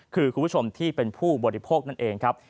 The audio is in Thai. คือคุณผู้ชมที่เป็นผู้บริโภคนั่นเองครับ